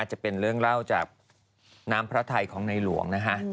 จะเป็นเรื่องเล่าจากน้ำพระไทยของในหลวงนะฮะ